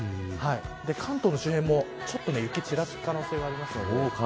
関東の周辺もちょっと雪がちらつく可能性があります。